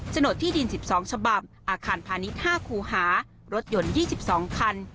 โหนดที่ดิน๑๒ฉบับอาคารพาณิชย์๕คูหารถยนต์๒๒คัน